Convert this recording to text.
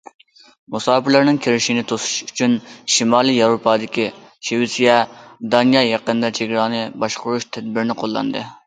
مۇساپىرلارنىڭ كېرىشىنى توسۇش ئۈچۈن، شىمالىي ياۋروپادىكى شىۋېتسىيە، دانىيە يېقىندا چېگرانى باشقۇرۇش تەدبىرىنى قوللاندى.